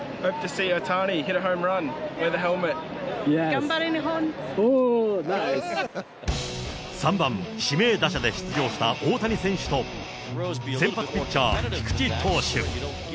頑張れ、３番指名打者で出場した大谷選手と、先発ピッチャー、菊池投手。